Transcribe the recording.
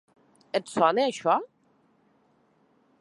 Et sona això?